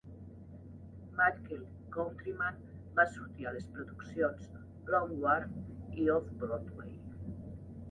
Michael Countryman va sortir a les produccions Long Wharf i Off-Broadway.